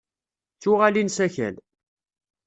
D tuɣalin s akal.